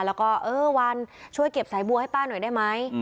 แล้วก็เออวันช่วยเก็บสายบัวให้ป้าหน่อยได้ไหม